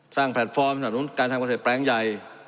สร้างแพลตฟอร์มสำนวนการทำเกษตรแปลงใหญ่